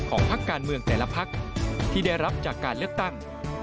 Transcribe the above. พักการเมืองแต่ละพักที่ได้รับจากการเลือกตั้ง